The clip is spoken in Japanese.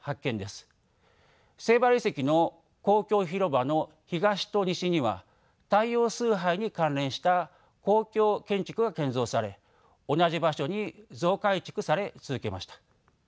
セイバル遺跡の公共広場の東と西には太陽崇拝に関連した公共建築が建造され同じ場所に増改築され続けました。